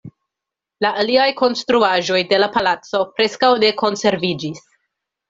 La aliaj konstruaĵoj de la palaco preskaŭ ne konserviĝis.